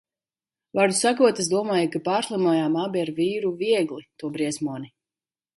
Vārdu sakot, es domāju, ka pārslimojām abi ar vīru viegli to briesmoni.